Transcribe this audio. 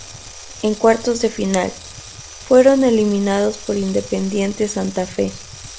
En cuartos de final, fueron eliminados por Independiente Santa Fe.